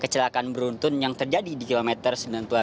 kecelakaan beruntun yang terjadi di kilometer sembilan puluh delapan